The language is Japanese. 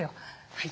はい！